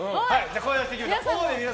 声を出していきましょう。